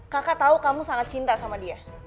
kakak tahu kamu sangat cinta sama dia